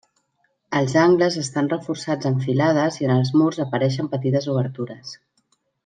Els angles estan reforçats amb filades i en els murs apareixen petites obertures.